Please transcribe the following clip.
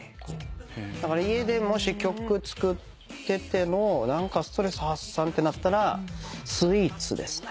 だから家でもし曲作ってての何かストレス発散ってなったらスイーツですね。